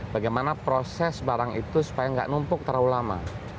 bagaimana proses barang itu supaya nggak numpuk terlalu lama